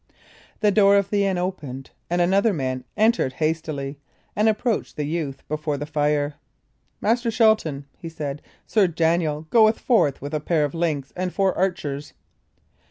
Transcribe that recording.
The door of the inn opened, and another man entered hastily and approached the youth before the fire. "Master Shelton," he said, "Sir Daniel goeth forth with a pair of links and four archers."